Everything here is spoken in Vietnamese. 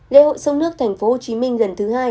lễ hội sông nước tp hcm lần thứ hai